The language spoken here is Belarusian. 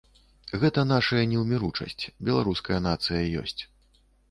Гэта нашая неўміручасць, беларуская нацыя ёсць.